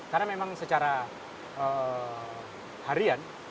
karena memang secara harian